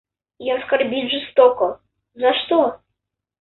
И оскорбить жестоко... За что?